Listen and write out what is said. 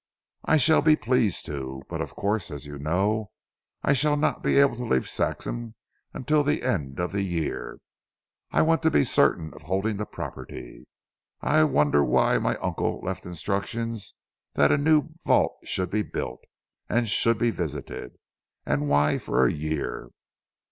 "I shall be pleased to. But of course as you know I shall not be able to leave Saxham until the end of a year. I want to be certain of holding the property. I wonder why my uncle left instructions that a new vault should be built, and should be visited; and why for a year?"